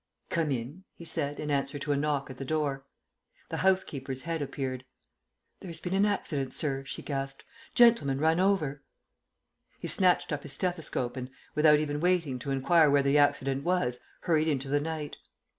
"Come in," he said in answer to a knock at the door. The housekeeper's head appeared. "There's been an accident, sir," she gasped. "Gentleman run over!" He snatched up his stethoscope and, without even waiting to inquire where the accident was, hurried into the night.